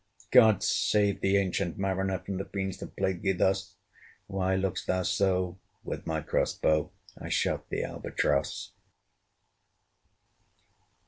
"God save thee, ancient Mariner! From the fiends, that plague thee thus! Why look'st thou so?" With my cross bow I shot the ALBATROSS.